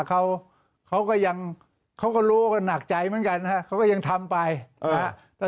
เขาเขาก็ยังเขาก็รู้ก็หนักใจเหมือนกันฮะเขาก็ยังทำไปนะฮะ